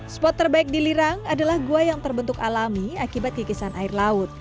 spot terbaik di lirang adalah gua yang terbentuk alami akibat kikisan air laut